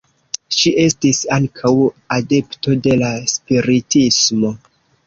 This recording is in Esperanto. Ŝi estis ankaŭ adepto de la spiritismo.